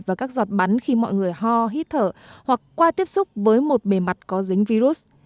và các giọt bắn khi mọi người ho hít thở hoặc qua tiếp xúc với một bề mặt có dính virus